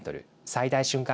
最大瞬間